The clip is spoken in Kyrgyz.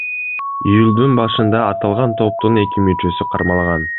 Июлдун башында аталган топтун эки мүчөсү кармалган.